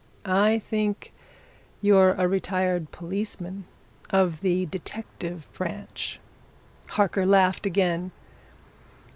I think you're a retired policeman of the detective branch." Harker laughed again.